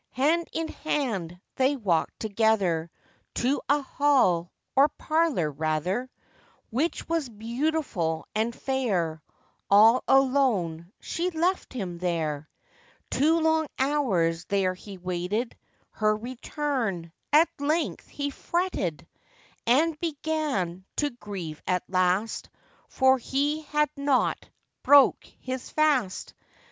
Hand in hand they walked together, To a hall, or parlour, rather, Which was beautiful and fair,— All alone she left him there. Two long hours there he waited Her return;—at length he fretted, And began to grieve at last, For he had not broke his fast.